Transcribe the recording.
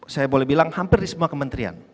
saya boleh bilang hampir di semua kementerian